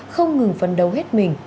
không ngừng phấn đấu hết mình